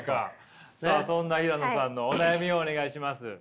そんな平野さんのお悩みをお願いします。